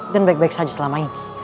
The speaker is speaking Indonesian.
dan baik baik saja selama ini